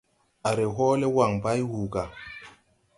A ree hɔɔle waŋ bay wuu gà.